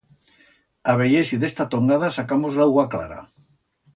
A veyer si d'esta tongada sacamos l'agua clara.